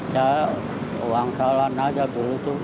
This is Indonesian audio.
saya uang salan aja dulu tuh